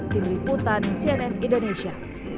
tim liputan cnn indonesia